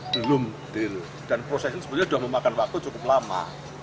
belum dan proses ini sebenarnya sudah memakan waktu cukup lama